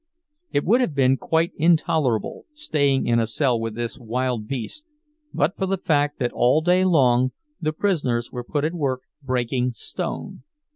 It would have been quite intolerable, staying in a cell with this wild beast, but for the fact that all day long the prisoners were put at work breaking stone.